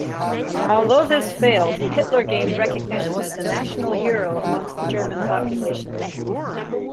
Although this failed, Hitler gained recognition as a national hero amongst the German population.